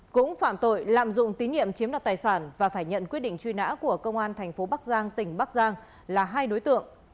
cũng phạm tội lạm dụng tín nhiệm chiếm đoạt tài sản và phải nhận quyết định truy nã của công an thành phố bắc giang tỉnh bắc giang là hai đối tượng